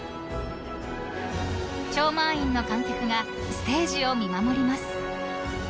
［超満員の観客がステージを見守ります］